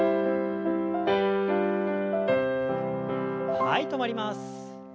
はい止まります。